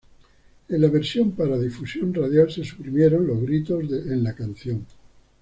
En la versión para difusión radial se suprimieron los gritos en la canción.